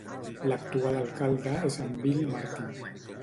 L'actual alcalde és en Bill Martin.